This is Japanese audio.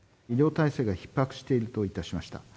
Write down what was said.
医療体制がひっ迫しているといたしました。